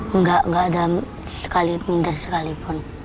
enggak enggak ada minder sekalipun